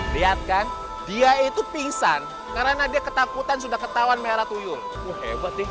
lihat kan dia itu pingsan karena dia ketakutan sudah ketahuan merah tuyung hebat nih